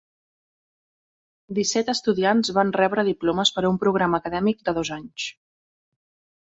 Disset estudiants van rebre diplomes per un programa acadèmic de dos anys.